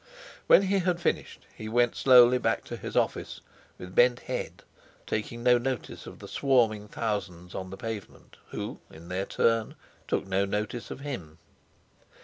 When he had finished he went slowly back to his office, with bent head, taking no notice of the swarming thousands on the pavements, who in their turn took no notice of him.